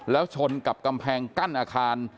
แล้วชนกับกำแพงกั้นอาคาร